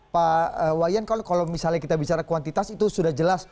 pak wayan kalau misalnya kita bicara kuantitas itu sudah jelas